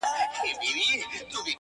په خوښۍ کي به مي ستا د ياد ډېوه وي’